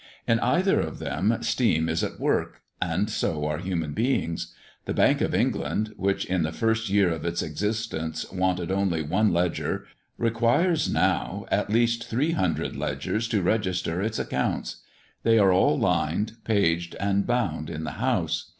In either of them steam is at work, and so are human beings. The Bank of England, which in the first year of its existence wanted only one ledger, requires now at least three hundred ledgers to register its accounts; they are all lined, paged, and bound in the house.